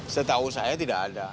setahu saya tidak ada